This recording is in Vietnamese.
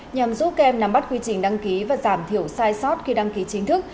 nhằm giúp các em nắm bắt quy trình đăng ký và giảm thiểu sai sót khi đăng ký chính thức